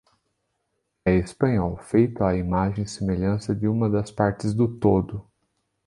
É espanhol, feito à imagem e semelhança de uma das partes do todo.